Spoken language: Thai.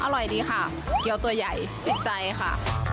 อร่อยดีค่ะเกี้ยวตัวใหญ่ติดใจค่ะ